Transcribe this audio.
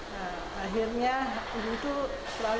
nah akhirnya dia menikah di tempat yang lain